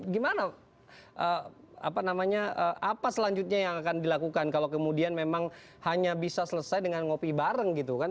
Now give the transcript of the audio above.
gimana apa namanya apa selanjutnya yang akan dilakukan kalau kemudian memang hanya bisa selesai dengan ngopi bareng gitu kan